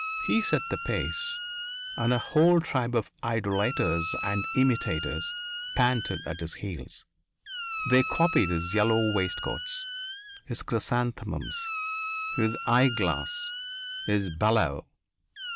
He set the pace, and a whole tribe of idolaters and imitators panted at his heels. They copied his yellow waistcoats, his chrysanthemums, his eye glass, his bellow.